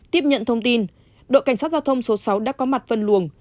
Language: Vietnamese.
tiếp nhận thông tin đội cảnh sát giao thông số sáu đã có mặt phân luồng